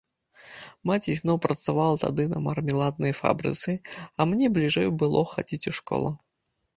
Маці ізноў працавала тады на мармеладнай фабрыцы, а мне бліжэй было хадзіць у школу.